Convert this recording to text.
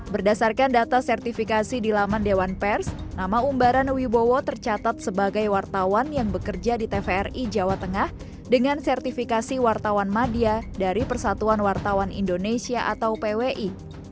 berdasarkan data sertifikasi di laman dewan pers nama umbaran wibowo tercatat sebagai wartawan yang bekerja di tvri jawa tengah dengan sertifikasi wartawan media dari persatuan wartawan indonesia atau pwi